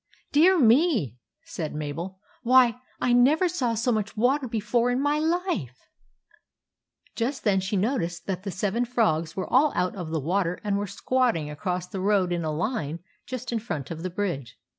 " Dear me !" said Mabel. " Why, I never saw so much water before in my life !" Just then she noticed that the seven frogs were all out of the water and were squat ting across the road in a line just in front of the bridge.